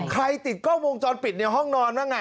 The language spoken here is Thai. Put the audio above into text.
ติดกล้องวงจรปิดในห้องนอนบ้าง